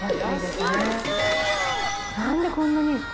何でこんなに。